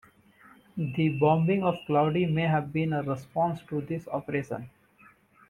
The bombing of Claudy may have been a response to this operation.